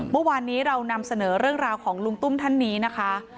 เมื่อวานนี้เรานำเสนอเรื่องราวของลุงตุ้มท่านนี้นะคะ